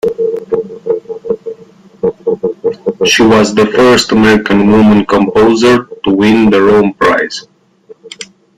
She was the first American woman composer to win the Rome Prize.